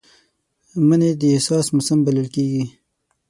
مني د احساس موسم بلل کېږي